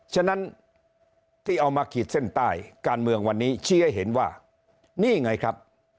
ฉะนั้นที่เอามาขีดเส้นใต้การเมืองวันนี้ชี้ให้เห็นว่านี่ไงครับ